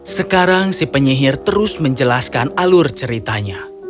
sekarang si penyihir terus menjelaskan alur ceritanya